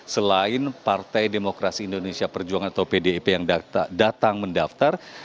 selain partai demokrasi indonesia perjuangan atau pdip yang datang mendaftar